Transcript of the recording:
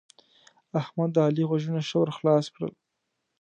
احمد؛ د علي غوږونه ښه ور خلاص کړل.